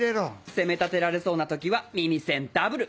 責め立てられそうな時は耳栓ダブル。